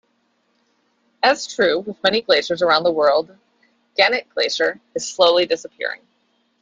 As is true with many glaciers around the world, Gannett Glacier is slowly disappearing.